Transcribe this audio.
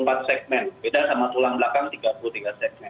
berbeda sama tulang belakang tiga puluh tiga segmen